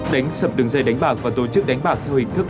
đánh sập đường dây đánh bạc và tổ chức đánh bạc